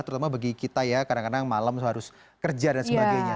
terutama bagi kita ya kadang kadang malam harus kerja dan sebagainya